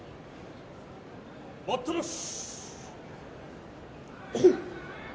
待ったなし。